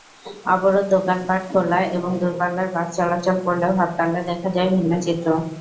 অবরোধে দোকানপাট খোলা এবং দূরপাল্লার বাস চলাচল করলেও হরতালে দেখা যায় ভিন্ন চিত্র।